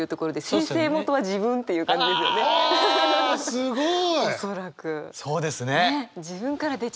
すごい。